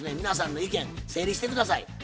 皆さんの意見整理して下さい。